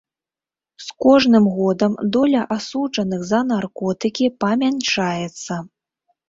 З кожным годам доля асуджаных за на наркотыкі памяншаецца.